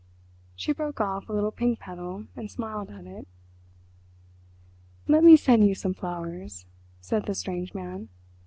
She broke off a little pink petal and smiled at it. "Let me send you some flowers," said the strange man.